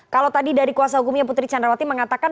kalau tadi dari kuasa hukumnya putri candrawati mengatakan